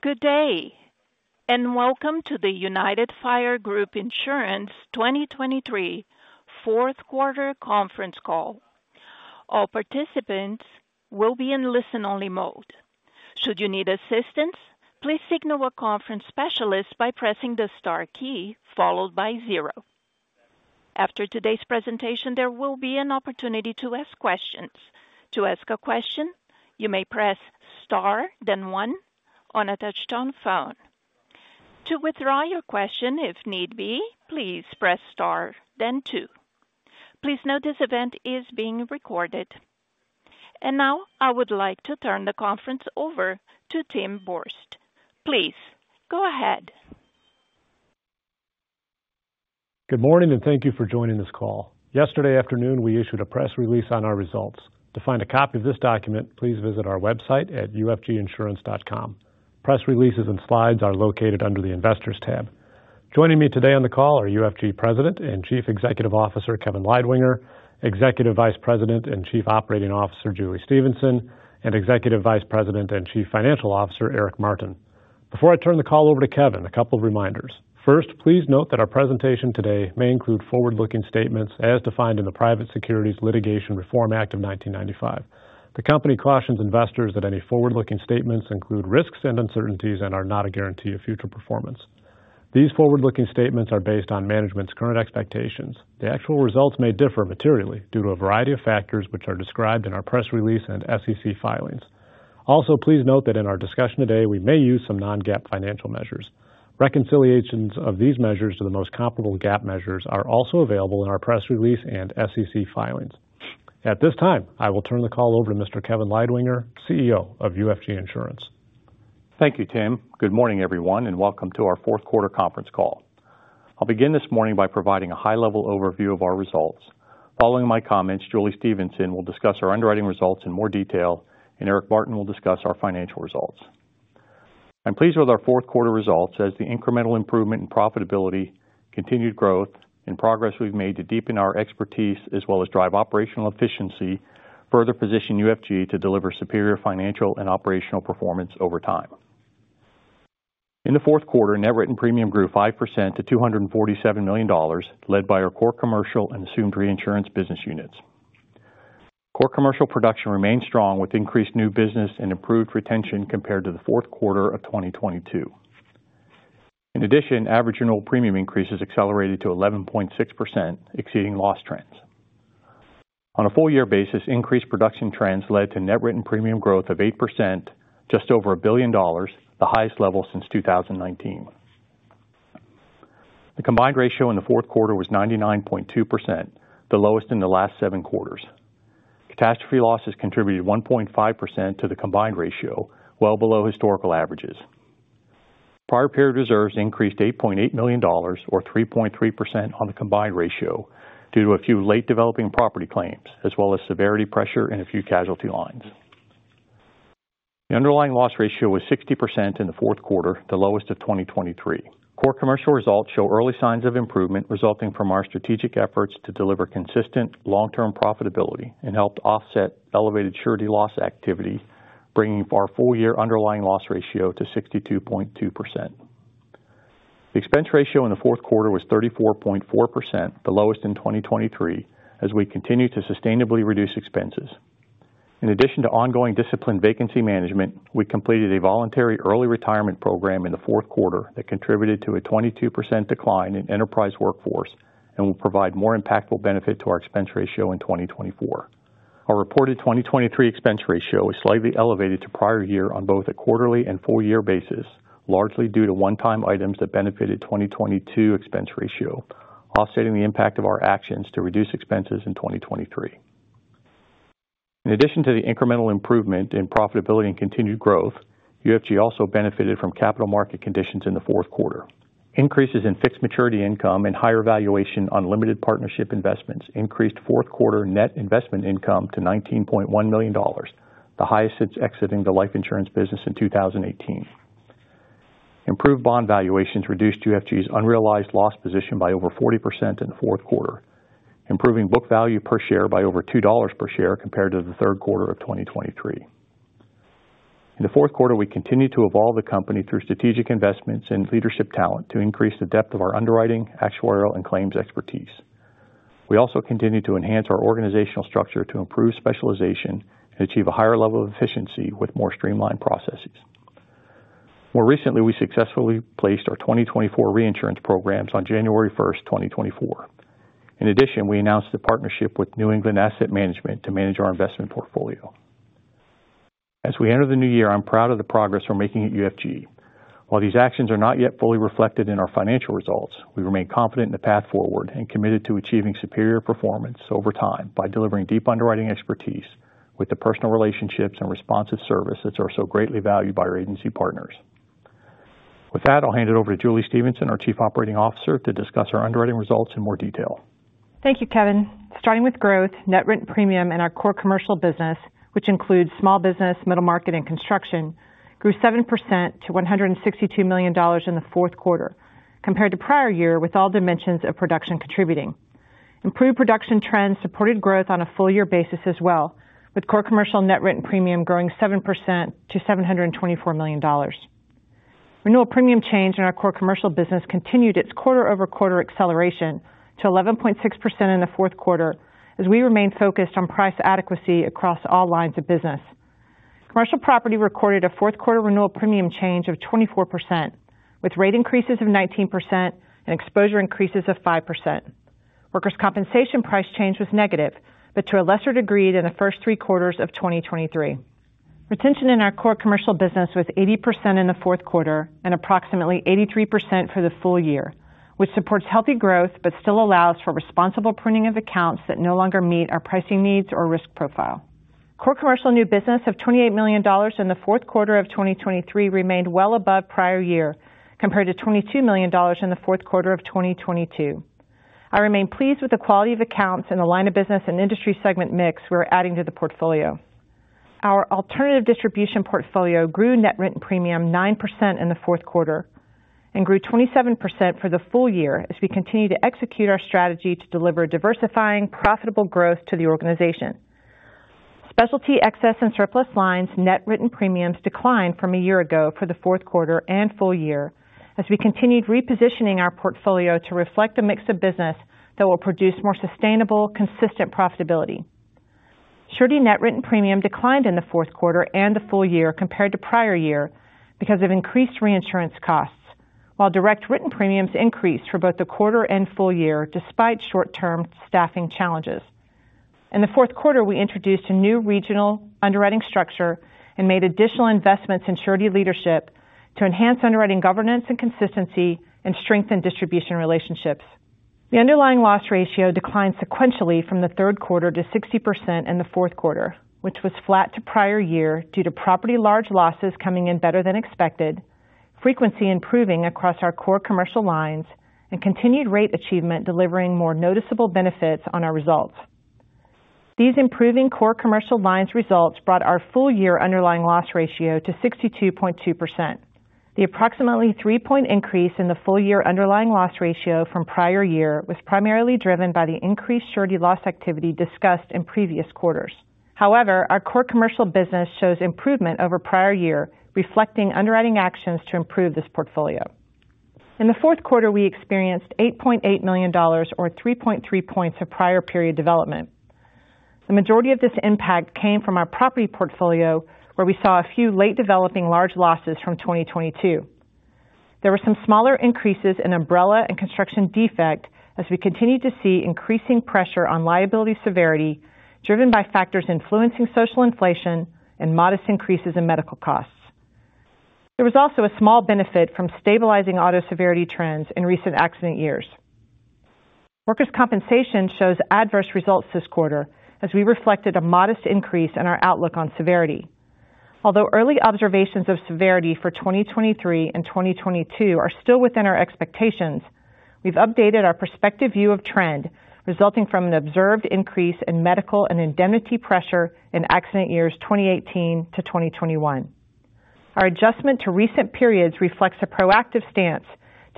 Good day, and welcome to the United Fire Group Insurance 2023 fourth quarter conference call. All participants will be in listen-only mode. Should you need assistance, please signal a conference specialist by pressing the star key followed by zero. After today's presentation, there will be an opportunity to ask questions. To ask a question, you may press star then one on a touchtone phone. To withdraw your question, if need be, please press star then two. Please note this event is being recorded. And now I would like to turn the conference over to Tim Borst. Please, go ahead. Good morning, and thank you for joining this call. Yesterday afternoon, we issued a press release on our results. To find a copy of this document, please visit our website at ufginsurance.com. Press releases and slides are located under the Investors tab. Joining me today on the call are UFG President and Chief Executive Officer, Kevin Leidwinger; Executive Vice President and Chief Operating Officer, Julie Stephenson; and Executive Vice President and Chief Financial Officer, Eric Martin. Before I turn the call over to Kevin, a couple of reminders. First, please note that our presentation today may include forward-looking statements as defined in the Private Securities Litigation Reform Act of 1995. The company cautions investors that any forward-looking statements include risks and uncertainties and are not a guarantee of future performance. These forward-looking statements are based on management's current expectations. The actual results may differ materially due to a variety of factors, which are described in our press release and SEC filings. Also, please note that in our discussion today, we may use some non-GAAP financial measures. Reconciliations of these measures to the most comparable GAAP measures are also available in our press release and SEC filings. At this time, I will turn the call over to Mr. Kevin Leidwinger, CEO of UFG Insurance. Thank you, Tim. Good morning, everyone, and welcome to our fourth quarter conference call. I'll begin this morning by providing a high-level overview of our results. Following my comments, Julie Stephenson will discuss our underwriting results in more detail, and Eric Martin will discuss our financial results. I'm pleased with our fourth quarter results as the incremental improvement in profitability, continued growth, and progress we've made to deepen our expertise as well as drive operational efficiency, further position UFG to deliver superior financial and operational performance over time. In the fourth quarter, net written premium grew 5% to $247 million, led by our core Assumed Reinsurance business units. Core Commercial production remained strong, with increased new business and improved retention compared to the fourth quarter of 2022. In addition, average annual premium increases accelerated to 11.6%, exceeding loss trends. On a full year basis, increased production trends led to net written premium growth of 8%, just over $1 billion, the highest level since 2019. The combined ratio in the fourth quarter was 99.2%, the lowest in the last 7 quarters. Catastrophe losses contributed 1.5% to the combined ratio, well below historical averages. Prior period reserves increased $8.8 million or 3.3% on the combined ratio due to a few late-developing property claims, as well as severity pressure in a few casualty lines. The underlying loss ratio was 60% in the fourth quarter, the lowest of 2023. Core Commercial results show early signs of improvement, resulting from our strategic efforts to deliver consistent long-term profitability and helped offset elevated surety loss activity, bringing our full-year underlying loss ratio to 62.2%. The expense ratio in the fourth quarter was 34.4%, the lowest in 2023, as we continue to sustainably reduce expenses. In addition to ongoing disciplined vacancy management, we completed a voluntary early retirement program in the fourth quarter that contributed to a 22% decline in enterprise workforce and will provide more impactful benefit to our expense ratio in 2024. Our reported 2023 expense ratio is slightly elevated to prior year on both a quarterly and full year basis, largely due to one-time items that benefited 2022 expense ratio, offsetting the impact of our actions to reduce expenses in 2023. In addition to the incremental improvement in profitability and continued growth, UFG also benefited from capital market conditions in the fourth quarter. Increases in fixed maturity income and higher valuation on limited partnership investments increased fourth quarter net investment income to $19.1 million, the highest since exiting the life insurance business in 2018. Improved bond valuations reduced UFG's unrealized loss position by over 40% in the fourth quarter, improving book value per share by over $2 per share compared to the third quarter of 2023. In the fourth quarter, we continued to evolve the company through strategic investments in leadership talent to increase the depth of our underwriting, actuarial, and claims expertise. We also continued to enhance our organizational structure to improve specialization and achieve a higher level of efficiency with more streamlined processes. More recently, we successfully placed our 2024 reinsurance programs on January 1, 2024. In addition, we announced a partnership with New England Asset Management to manage our investment portfolio. As we enter the new year, I'm proud of the progress we're making at UFG. While these actions are not yet fully reflected in our financial results, we remain confident in the path forward and committed to achieving superior performance over time by delivering deep underwriting expertise with the personal relationships and responsive service that are so greatly valued by our agency partners. With that, I'll hand it over to Julie Stephenson, our Chief Operating Officer, to discuss our underwriting results in more detail. Thank you, Kevin. Starting with growth, net written premium in our Core Commercial business, which includes small business, middle market, and construction, grew 7% to $162 million in the fourth quarter compared to prior year, with all dimensions of production contributing. Improved production trends supported growth on a full year basis as well, with Core Commercial net written premium growing 7% to $724 million. Renewal premium change in our Core Commercial business continued its quarter-over-quarter acceleration to 11.6% in the fourth quarter, as we remain focused on price adequacy across all lines of business. Commercial Property recorded a fourth quarter renewal premium change of 24%, with rate increases of 19% and exposure increases of 5%. Workers' compensation price change was negative, but to a lesser degree than the first three quarters of 2023. Retention in our Core Commercial business was 80% in the fourth quarter and approximately 83% for the full year, which supports healthy growth but still allows for responsible pruning of accounts that no longer meet our pricing needs or risk profile. Core Commercial new business of $28 million in the fourth quarter of 2023 remained well above prior year, compared to $22 million in the fourth quarter of 2022. I remain pleased with the quality of accounts and the line of business and industry segment mix we're adding to the portfolio. Our alternative distribution portfolio grew net written premium 9% in the fourth quarter and grew 27% for the full year as we continue to execute our strategy to deliver diversifying, profitable growth to the organization. Specialty excess and surplus lines, net written premiums declined from a year ago for the fourth quarter and full year as we continued repositioning our portfolio to reflect a mix of business that will produce more sustainable, consistent profitability. Surety net written premium declined in the fourth quarter and the full year compared to prior year because of increased reinsurance costs, while direct written premiums increased for both the quarter and full year, despite short-term staffing challenges. In the fourth quarter, we introduced a new regional underwriting structure and made additional investments in surety leadership to enhance underwriting governance and consistency and strengthen distribution relationships. The underlying loss ratio declined sequentially from the third quarter to 60% in the fourth quarter, which was flat to prior year due to property large losses coming in better than expected, frequency improving across our Core Commercial lines, and continued rate achievement delivering more noticeable benefits on our results. These improving Core Commercial lines results brought our full year underlying loss ratio to 62.2%. The approximately 3-point increase in the full year underlying loss ratio from prior year was primarily driven by the increased surety loss activity discussed in previous quarters. However, our Core Commercial business shows improvement over prior year, reflecting underwriting actions to improve this portfolio. In the fourth quarter, we experienced $8.8 million or 3.3 points of prior period development. The majority of this impact came from our property portfolio, where we saw a few late-developing large losses from 2022. There were some smaller increases in umbrella and construction defect as we continued to see increasing pressure on liability severity, driven by factors influencing social inflation and modest increases in medical costs. There was also a small benefit from stabilizing auto severity trends in recent accident years. Workers' Compensation shows adverse results this quarter as we reflected a modest increase in our outlook on severity. Although early observations of severity for 2023 and 2022 are still within our expectations, we've updated our prospective view of trend, resulting from an observed increase in medical and indemnity pressure in accident years 2018 to 2021. Our adjustment to recent periods reflects a proactive stance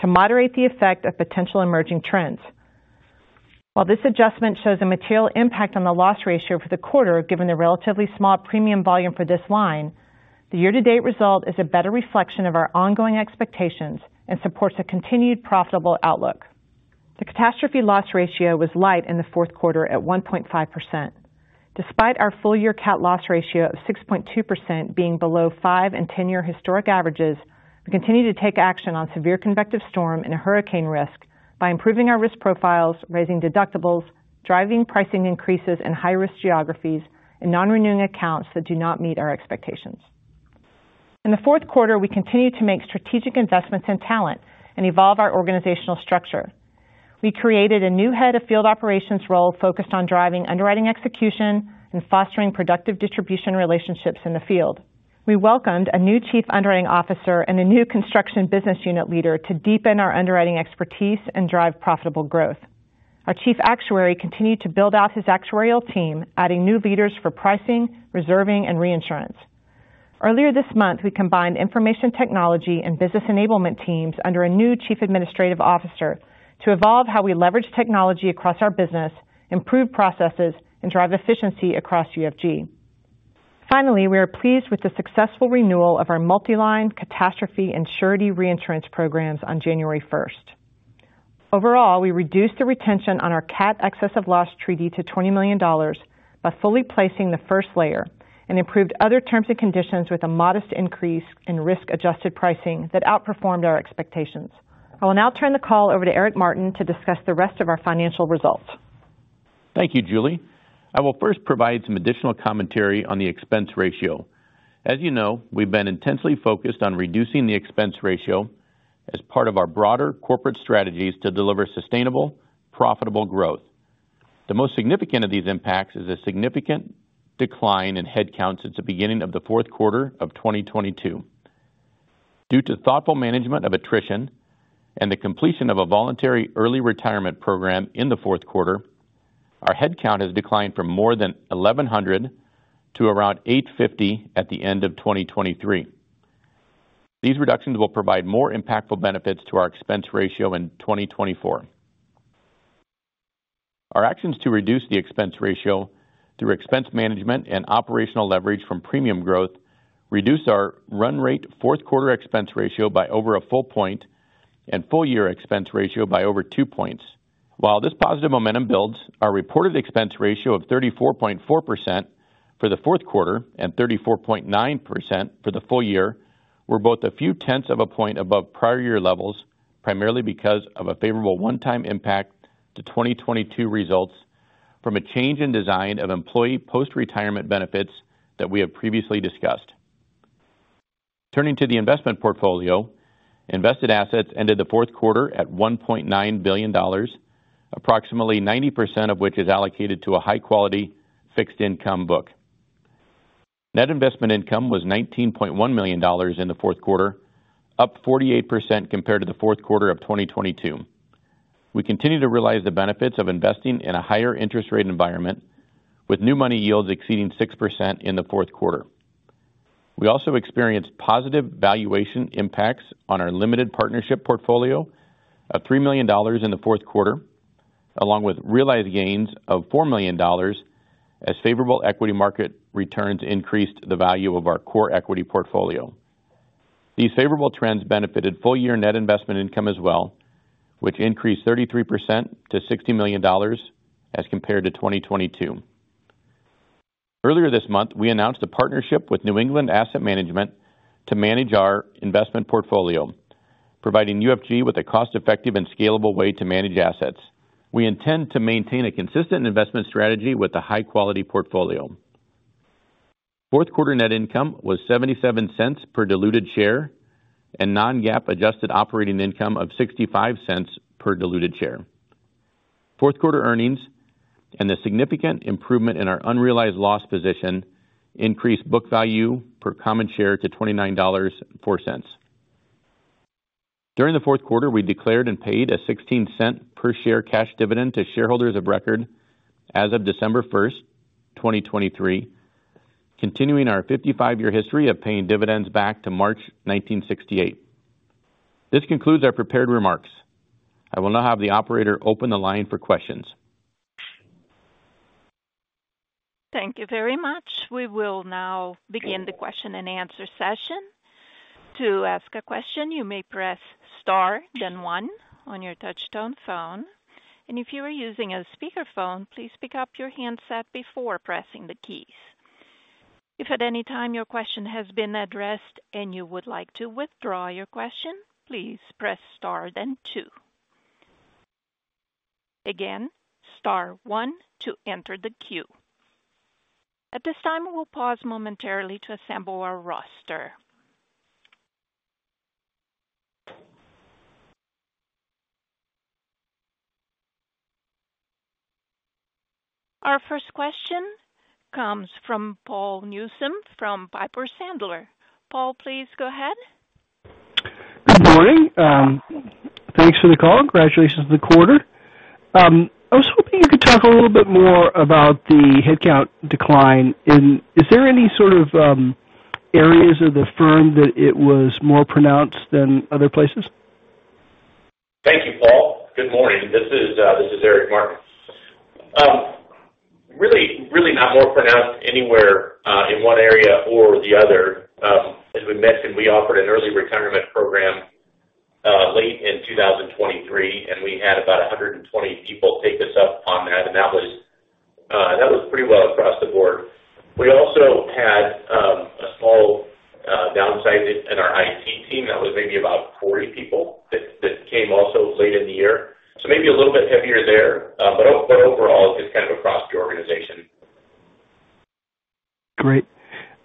to moderate the effect of potential emerging trends. While this adjustment shows a material impact on the loss ratio for the quarter, given the relatively small premium volume for this line, the year-to-date result is a better reflection of our ongoing expectations and supports a continued profitable outlook. The catastrophe loss ratio was light in the fourth quarter at 1.5%. Despite our full-year CAT loss ratio of 6.2% being below five and 10-year historic averages, we continue to take action on severe convective storm and hurricane risk by improving our risk profiles, raising deductibles, driving pricing increases in high-risk geographies, and non-renewing accounts that do not meet our expectations. In the fourth quarter, we continued to make strategic investments in talent and evolve our organizational structure. We created a new head of field operations role focused on driving underwriting execution and fostering productive distribution relationships in the field. We welcomed a new Chief Underwriting Officer and a new construction business unit leader to deepen our underwriting expertise and drive profitable growth. Our Chief Actuary continued to build out his actuarial team, adding new leaders for pricing, reserving, and reinsurance. Earlier this month, we combined information technology and business enablement teams under a new chief administrative officer to evolve how we leverage technology across our business, improve processes, and drive efficiency across UFG. Finally, we are pleased with the successful renewal of our multi-line catastrophe and surety reinsurance programs on January first. Overall, we reduced the retention on our CAT excess of loss treaty to $20 million by fully placing the first layer and improved other terms and conditions with a modest increase in risk-adjusted pricing that outperformed our expectations. I will now turn the call over to Eric Martin to discuss the rest of our financial results. Thank you, Julie. I will first provide some additional commentary on the expense ratio. As you know, we've been intensely focused on reducing the expense ratio as part of our broader corporate strategies to deliver sustainable, profitable growth. The most significant of these impacts is a significant decline in headcount since the beginning of the fourth quarter of 2022. Due to thoughtful management of attrition and the completion of a voluntary early retirement program in the fourth quarter, our headcount has declined from more than 1,100 to around 850 at the end of 2023.... These reductions will provide more impactful benefits to our expense ratio in 2024. Our actions to reduce the expense ratio through expense management and operational leverage from premium growth, reduced our run rate fourth quarter expense ratio by over a full point and full year expense ratio by over two points. While this positive momentum builds, our reported expense ratio of 34.4% for the fourth quarter and 34.9% for the full year, were both a few tenths of a point above prior year levels, primarily because of a favorable one-time impact to 2022 results from a change in design of employee post-retirement benefits that we have previously discussed. Turning to the investment portfolio, invested assets ended the fourth quarter at $1.9 billion, approximately 90% of which is allocated to a high-quality fixed income book. Net investment income was $19.1 million in the fourth quarter, up 48% compared to the fourth quarter of 2022. We continue to realize the benefits of investing in a higher interest rate environment, with new money yields exceeding 6% in the fourth quarter. We also experienced positive valuation impacts on our limited partnership portfolio of $3 million in the fourth quarter, along with realized gains of $4 million as favorable equity market returns increased the value of our core equity portfolio. These favorable trends benefited full year net investment income as well, which increased 33% to $60 million as compared to 2022. Earlier this month, we announced a partnership with New England Asset Management to manage our investment portfolio, providing UFG with a cost-effective and scalable way to manage assets. We intend to maintain a consistent investment strategy with a high-quality portfolio. Fourth quarter net income was $0.77 per diluted share and non-GAAP adjusted operating income of $0.65 per diluted share. Fourth quarter earnings and the significant improvement in our unrealized loss position increased book value per common share to $29.04. During the fourth quarter, we declared and paid a $0.16 per share cash dividend to shareholders of record as of December 1, 2023, continuing our 55-year history of paying dividends back to March 1968. This concludes our prepared remarks. I will now have the operator open the line for questions. Thank you very much. We will now begin the question and answer session. To ask a question, you may press Star, then one on your touchtone phone, and if you are using a speakerphone, please pick up your handset before pressing the keys. If at any time your question has been addressed and you would like to withdraw your question, please press Star, then two. Again, star one to enter the queue. At this time, we'll pause momentarily to assemble our roster. Our first question comes from Paul Newsome from Piper Sandler. Paul, please go ahead. Good morning. Thanks for the call. Congratulations on the quarter. I was hoping you could talk a little bit more about the headcount decline, and is there any sort of areas of the firm that it was more pronounced than other places? Thank you, Paul. Good morning. This is Eric Martin. Really, really not more pronounced anywhere in one area or the other. As we mentioned, we offered an early retirement program late in 2023, and we had about 120 people take us up on that, and that was pretty well across the board. We also had a small downsizing in our IT team that was maybe about 40 people that came also late in the year. So maybe a little bit heavier there, but overall, just kind of across the organization. Great.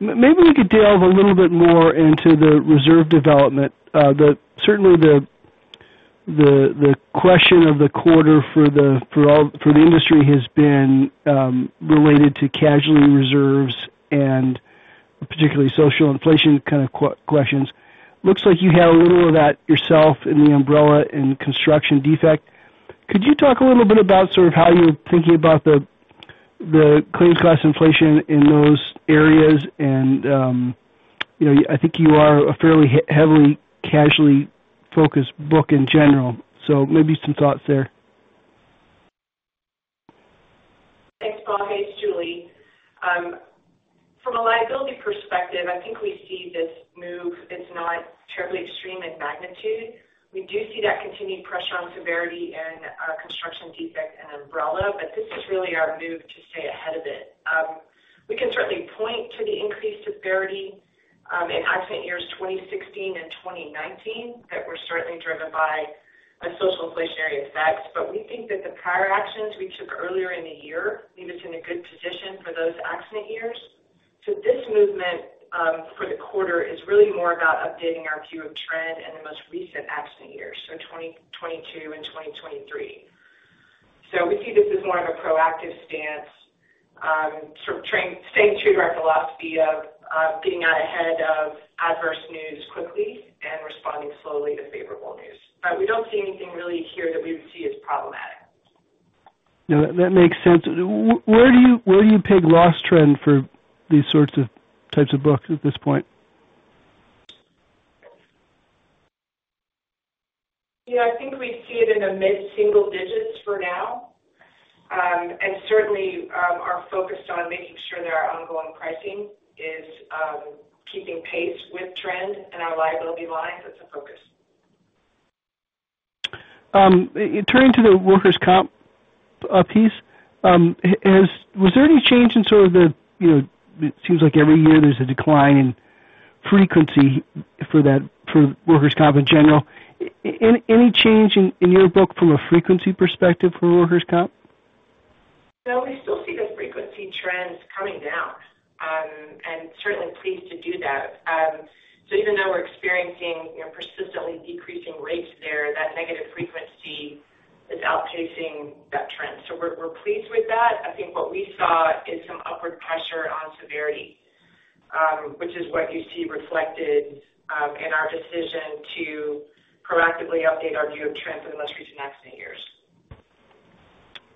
Maybe we could delve a little bit more into the reserve development. Certainly the question of the quarter for the industry has been related to casualty reserves and particularly social inflation kind of questions. Looks like you had a little of that yourself in the umbrella and construction defect. Could you talk a little bit about sort of how you're thinking about the claim cost inflation in those areas? And, you know, I think you are a fairly heavily casualty-focused book in general, so maybe some thoughts there. Thanks, Paul. Hey, it's Julie. From a liability perspective, I think we see this move as not terribly extreme in magnitude. We do see that continued pressure on severity and construction defect and umbrella, but this is really our move to stay ahead of it. We can certainly point to the increased severity in accident years 2016 and 2019, that were certainly driven by a social inflationary effects. But we think that the prior actions we took earlier in the year leave us in a good position for those accident years. So this movement for the quarter is really more about updating our view of trend in the most recent accident years, so 2022 and 2023. So we see this as more of a proactive stance, sort of trend, staying true to our philosophy of getting out ahead of adverse news quickly and responding slowly to favorable news. But we don't see anything really here that we would see as problematic. Yeah, that makes sense. Where do you peg loss trend for these sorts of types of books at this point? Yeah, I think we see it in a mid-single digits for now. And certainly are focused on making sure that our ongoing pricing is keeping pace with trend and our liability lines. That's a focus. Turning to the workers' comp piece, was there any change in sort of the, you know, it seems like every year there's a decline in frequency for that, for workers' comp in general. Any change in your book from a frequency perspective for workers' comp? No, we still see the frequency trends coming down, and certainly pleased to do that. So even though we're experiencing, you know, persistently decreasing rates there, that negative frequency is outpacing that trend. So we're pleased with that. I think what we saw is some upward pressure on severity, which is what you see reflected in our decision to proactively update our view of trends in the most recent accident years.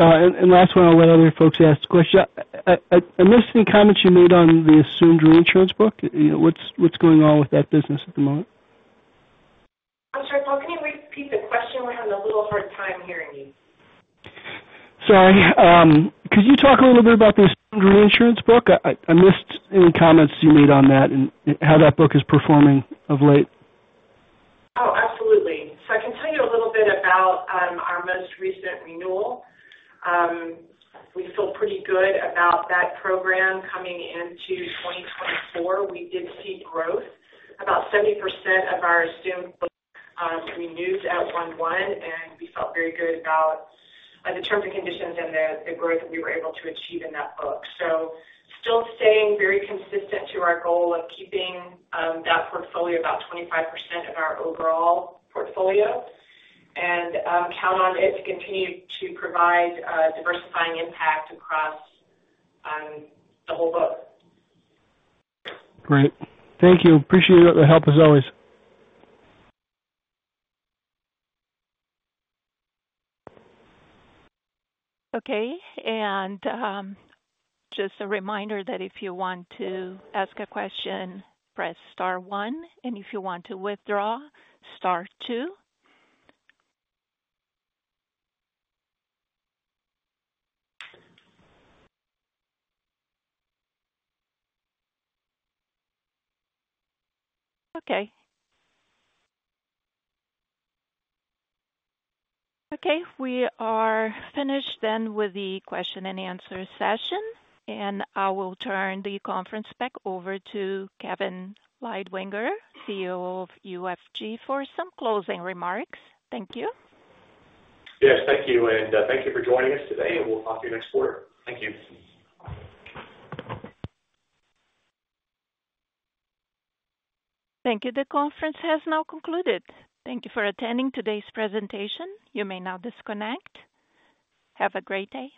Last one, I'll let other folks ask a question. I missed any comments you made Assumed Reinsurance book. you know, what's going on with that business at the moment? I'm sorry. Can you repeat the question? We're having a little hard time hearing you. Sorry. Could you talk a little bit Assumed Reinsurance book? i missed any comments you made on that and how that book is performing of late. Oh, absolutely. So I can tell you a little bit about our most recent renewal. We feel pretty good about that program coming into 2024. We did see growth. About 70% of our assumed book renewed at 1/1, and we felt very good about the terms and conditions and the growth that we were able to achieve in that book. So still staying very consistent to our goal of keeping that portfolio about 25% of our overall portfolio and count on it to continue to provide a diversifying impact across the whole book. Great. Thank you. Appreciate the help, as always. Okay, and, just a reminder that if you want to ask a question, press star one, and if you want to withdraw, star two. Okay. Okay, we are finished then with the question and answer session, and I will turn the conference back over to Kevin Leidwinger, CEO of UFG, for some closing remarks. Thank you. Yes, thank you, and, thank you for joining us today, and we'll talk to you next quarter. Thank you. Thank you. The conference has now concluded. Thank you for attending today's presentation. You may now disconnect. Have a great day.